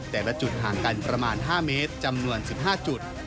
แต่ละจุดห่างกันประมาณ๕เมตรจำนวน๑๕จุด